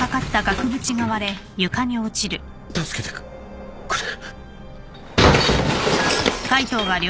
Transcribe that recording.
助けてくれ。